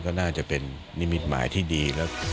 ก็น่าจะเป็นนิมิตหมายที่ดีแล้ว